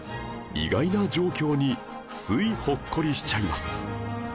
意外な状況についほっこりしちゃいます